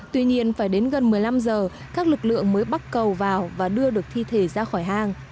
tuy nhiên phải đến gần một mươi năm giờ các lực lượng mới bắt cầu vào và đưa được thi thể ra khỏi hang